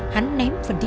hắn ném phần trăm